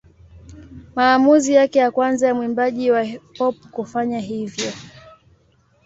Maamuzi yake ya kwanza ya mwimbaji wa pop kufanya hivyo.